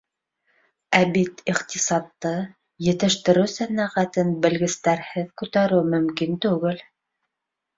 Ә бит иҡтисадты, етештереү сәнәғәтен белгестәрһеҙ күтәреү мөмкин түгел.